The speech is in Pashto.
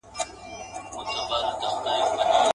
په ژړا مي شروع وکړه دې ویناته.